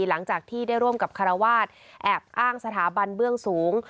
หลังจากที่ได้ร่วมกับคารวาสแอบอ้างสถาบันเบื้องสูง